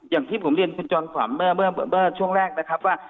อย่างที่ผมเรียนคุณจอมขวัญเมื่อช่วงแรกนะครับว่า